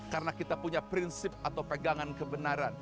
karena kita punya prinsip atau pegangan kebenaran